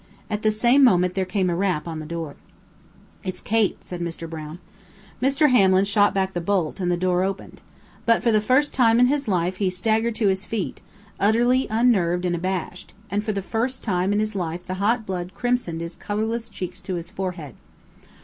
At the same moment there came a rap upon the door. "It's Kate," said Mr. Brown. Mr. Hamlin shot back the bolt, and the door opened. But, for the first time in his life, he staggered to his feet, utterly unnerved and abashed, and for the first time in his life the hot blood crimsoned his colorless cheeks to his forehead.